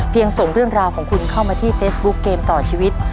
ส่งเรื่องราวของคุณเข้ามาที่เฟซบุ๊คเกมต่อชีวิต